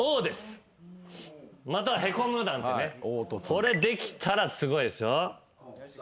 これできたらすごいですよ。